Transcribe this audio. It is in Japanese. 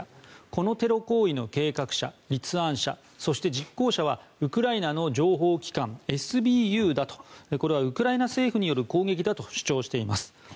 このテロ行為の計画者立案者、そして実行者はウクライナの情報機関ＳＢＵだとこれはウクライナ政府による攻撃だと主張しています。